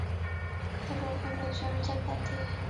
该种分布于全世界各地。